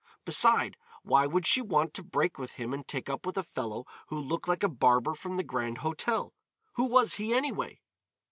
Beside, why would she want to break with him and take up with a fellow who looked like a barber from the Grand Hôtel? Who was he any way?